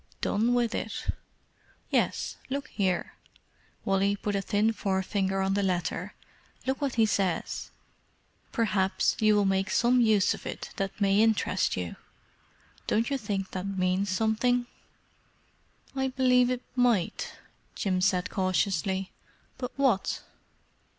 "Done with it?" "Yes. Look here," Wally put a thin forefinger on the letter. "Look what he says—'Perhaps you will make some use of it that may interest you.' Don't you think that means something?" "I believe it might," Jim said cautiously. "But what?"